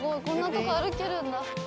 こんなとこ歩けるんだ。